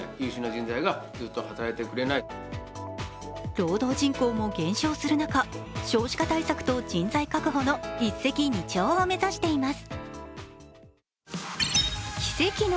労働人口も減少する中、少子化対策と人材確保の一石二鳥を目指しています。